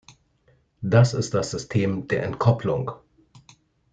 Das ist das System der Entkoppelung.